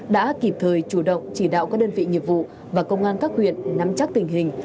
đã kịp thời chủ động chỉ đạo các đơn vị nghiệp vụ và công an các huyện nắm chắc tình hình